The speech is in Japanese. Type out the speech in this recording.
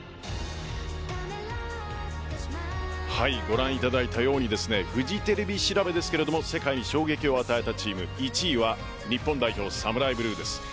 ご覧いただいたようにフジテレビ調べですが世界に衝撃を与えたチーム１位は日本代表ＳＡＭＵＲＡＩＢＬＵＥです。